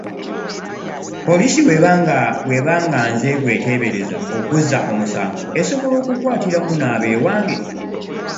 Poliisi bweba nga nze gweteebereza okuzza omusango esobola okukwaatiramu n’abewange?